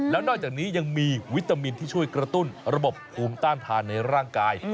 แล้วนอกจากนี้ยังมีวิตามินที่ช่วยกระตุ้นระบบภูมิต้านทานในร่างกาย